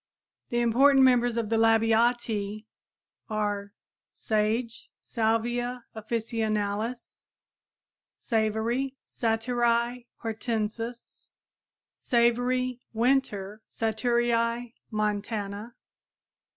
The important members of the Labiatæ are: Sage (Salvia officinalis, Linn.). Savory (Satureia hortensis, Linn.). Savory, winter (Satureia montana, Linn.).